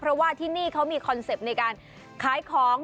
เพราะว่าที่นี่เขามีคอนเซ็ปต์ในการขายของ